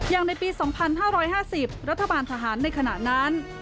อย่างในปี๒๕๕๐รัฐบาลทหารในขณะนั้น